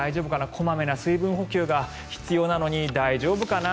小まめな水分補給が必要なのに大丈夫かな？